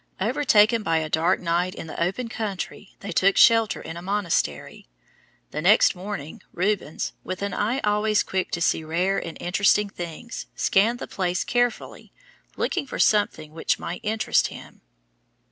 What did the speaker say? Overtaken by dark night in the open country they took shelter in a monastery. The next morning Rubens, with an eye always quick to see rare and interesting things, scanned the place carefully looking for something which might interest him.